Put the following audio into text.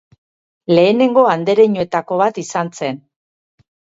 Lehenengo andereñoetako bat izan zen.